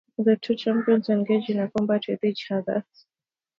The two champions engaged in a combat with each other.